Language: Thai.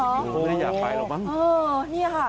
โอ้โฮนี่ค่ะ